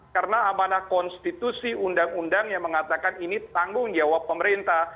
karena amana konstitusi undang undang yang mengatakan ini tanggung jawab pemerintah